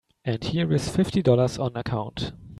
And here's fifty dollars on account.